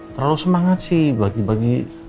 terlalu semangat sih bagi bagi